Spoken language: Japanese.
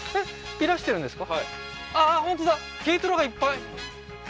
いらしてるんですか？